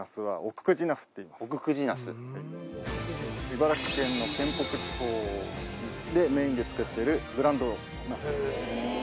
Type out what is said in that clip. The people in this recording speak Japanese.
茨城県の県北地方でメインで作ってるブランドなすです。